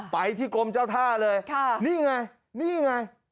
ไปที่กรมเจ้าท่าเลยนี่ไงนี่ไง